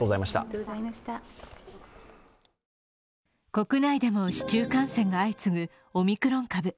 国内でも市中感染が相次ぐオミクロン株。